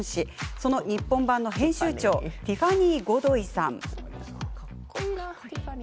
その日本版の編集長ティファニー・ゴドイさん。